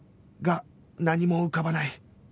が何も浮かばない